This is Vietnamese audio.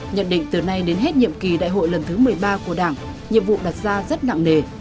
nhận định từ nay đến hết nhiệm kỳ đại hội lần thứ một mươi ba của đảng nhiệm vụ đặt ra rất nặng nề